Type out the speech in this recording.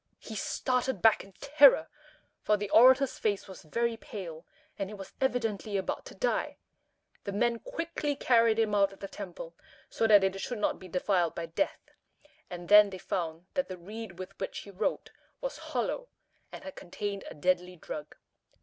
He started back in terror, for the orator's face was very pale, and he was evidently about to die. The men quickly carried him out of the temple, so that it should not be defiled by death, and then they found that the reed with which he wrote was hollow, and had contained a deadly drug.